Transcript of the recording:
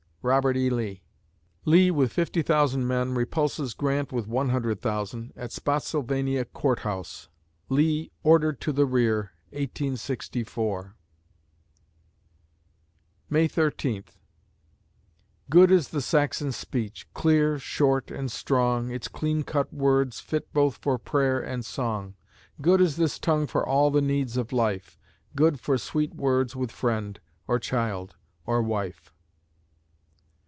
ROBERT E. LEE Lee, with 50,000 men, repulses Grant with 100,000, at Spottsylvania Court House; Lee "ordered" to the rear, 1864 May Thirteenth Good is the Saxon speech! clear, short, and strong, Its clean cut words, fit both for prayer and song; Good is this tongue for all the needs of life; Good for sweet words with friend, or child, or wife.